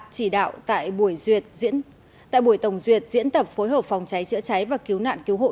chỉ đạo tại buổi tổng duyệt diễn tập phối hợp phòng cháy chữa cháy và cứu nạn cứu hộ